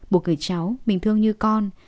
bố gửi cháu mình thương như con